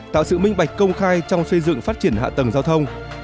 tạo sự minh bạch công khai trong xây dựng phát triển hạ tầng giao thông